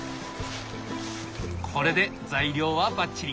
これで材料はバッチリ！